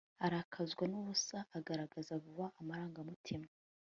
arakazwa nubusa agaragaza vuba amarangamutima